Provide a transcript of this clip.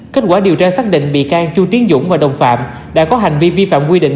kết quả điều tra xác định bị can chu tiến dũng và đồng phạm đã có hành vi vi phạm quy định